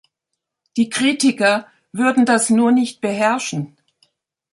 Die Kritiker würden das nur nicht beherrschen.